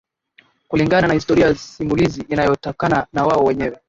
Kulingana na historia simulizi inayotokana na wao wenyewe